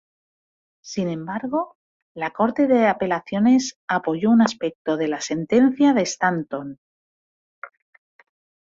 Sin embargo, la Corte de Apelaciones apoyó un aspecto de la sentencia de Stanton.